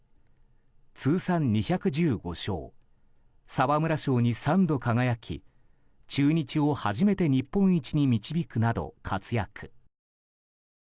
通算２１５勝沢村賞に３度輝き中日を初めて日本一に導くなど活躍。